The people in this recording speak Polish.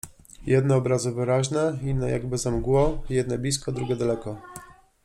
Jedne obrazy wyraźne, inne jakby za mgłą, jedne blisko, drugie daleko.